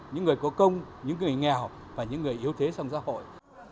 những người có công những người nghèo và những người yếu thế trong xã hội